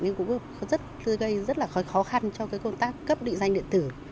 nên cũng gây rất là khó khăn cho công tác cấp địa danh điện tử